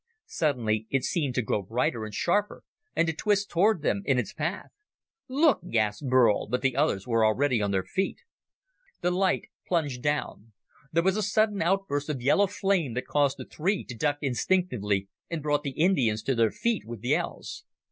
Suddenly it seemed to grow brighter and sharper and to twist toward them in its path. "Look!" gasped Burl, but the others were already on their feet. The light plunged down. There was a sudden outburst of yellow flame that caused the three to duck instinctively, and brought the Indians to their feet with yells.